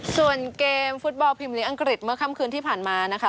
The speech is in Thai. ส่วนเกมฟุตบอลพิมพลิกอังกฤษเมื่อค่ำคืนที่ผ่านมานะคะ